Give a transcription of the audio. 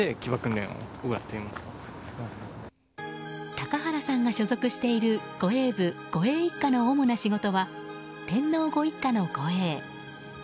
高原さんが所属している護衛部護衛一課の主な仕事は天皇ご一家の護衛。